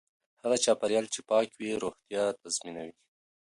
هغه چاپیریال چې پاک وي روغتیا تضمینوي.